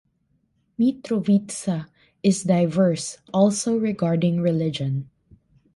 Mitrovica is diverse also regarding religion.